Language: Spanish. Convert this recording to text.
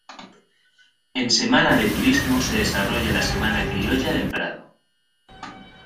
En Semana de Turismo se desarrolla la Semana Criolla del Prado.